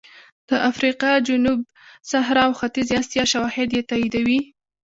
د افریقا جنوب صحرا او ختیځې اسیا شواهد یې تاییدوي